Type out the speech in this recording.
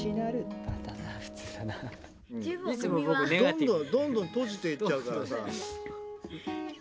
・どんどんどんどん閉じていっちゃうからさ。